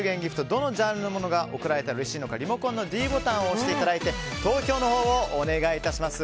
どのジャンルが贈られたらうれしいのかリモコンのｄボタンを押していただいて投票をお願いします。